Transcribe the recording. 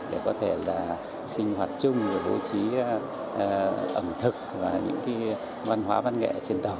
để có thể là sinh hoạt chung và bố trí ẩm thực và những văn hóa văn nghệ trên tàu